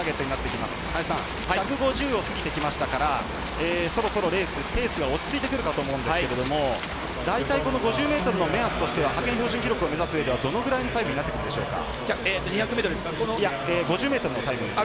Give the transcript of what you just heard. １５０過ぎてきましたからそろそろペースが落ち着いてくるかと思うんですが大体この５０ｍのペースとしては派遣標準記録を目指すうえではどれぐらいのタイムになってくるでしょうか。